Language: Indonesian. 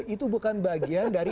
itu bukan bagian dari